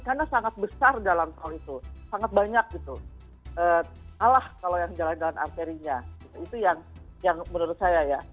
karena sangat besar jalan tol itu sangat banyak gitu alah kalau yang jalan jalan arterinya itu yang menurut saya ya